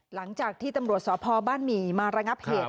หลังจากที่ตำรวจสพบ้านหมี่มาระงับเหตุ